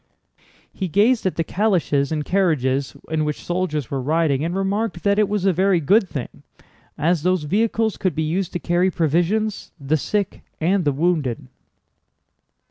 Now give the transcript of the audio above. He gazed at the calèches and carriages in which soldiers were riding and remarked that it was a very good thing, as those vehicles could be used to carry provisions, the sick, and the wounded.